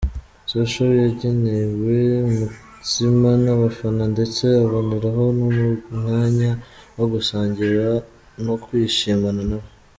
Social yagenewe umutsima n’abafana ndetse aboneraho n’umwanya wo gusangira no kwishimana nabo.